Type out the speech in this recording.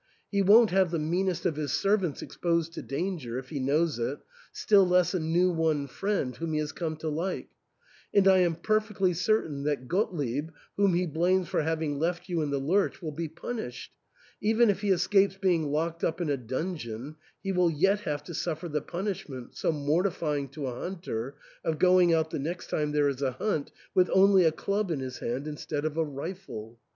He won't have the meanest of his servants exposed to danger, if he knows it, still less a new won friend whom he has come to like ; and I am perfectly certain that Gottlieb, whom he blames for having left you in the lurch, will be punished ; even if he escapes being locked up in a dungeon, he will yet have to suffer the punishment, so mortifying to a hunter, of going out the next time there is a hunt with only a club in his hand instead of a rifle.